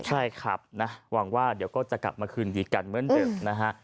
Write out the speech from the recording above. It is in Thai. ใช่ครับนะหวังว่าเดี๋ยวก็จะกลับมาคืนดีกันเหมือนเดิมนะฮะ